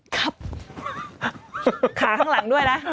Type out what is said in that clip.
ขาข้างหลังด้วยนะ